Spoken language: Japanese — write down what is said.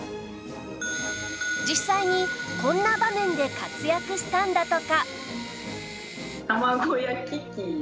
実際にこんな場面で活躍したんだとか